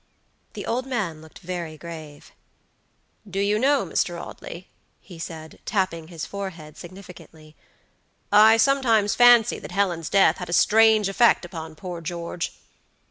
The old man looked very grave. "Do you know, Mr. Audley," he said, tapping his forehead significantly, "I sometimes fancy that Helen's death had a strange effect upon poor George."